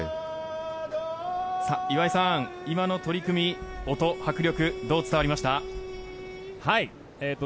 岩井さん、今の取組、音、迫力どう伝わりましたか？